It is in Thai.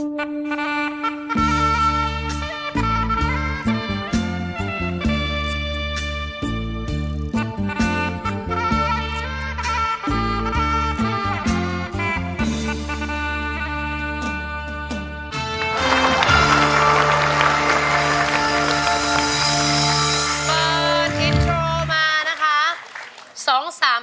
เปิดแชนน์โทรมานะคะ